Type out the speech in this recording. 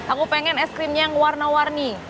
aku pengen es krimnya yang warna warni